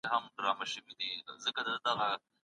هغوی له ډېرې مودې راهيسې سياستپوهنه تدريسوي.